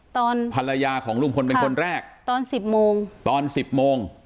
ตอนภรรยาของลุงพลเป็นคนแรกตอนสิบโมงตอนสิบโมง